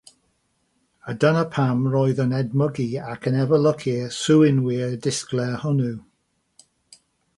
A dyna pam roedd yn edmygu ac yn efelychu'r swynwr disglair hwnnw.